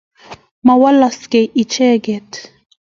Ma walaksei icheget